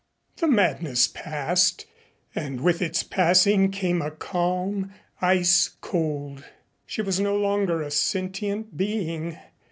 The madness passed and with its passing came a calm, ice cold. She was no longer a sentient being.